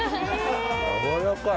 やわらかい？